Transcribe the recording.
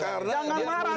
jangan dong ditangis dong